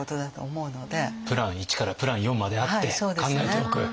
プラン１からプラン４まであって考えておく。